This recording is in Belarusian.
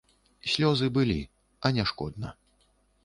Слёзы былі, а не шкодна.